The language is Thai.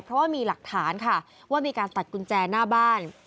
เพราะว่ามีหลักฐานค่ะว่ามีการตัดกุญแจหน้าบ้าน